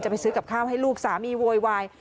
ไปซื้อกับข้าวให้ลูกสามีโวยวาย